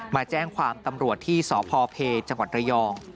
มาแจ้งความตำรวจที่สพเพจังหวัดระยอง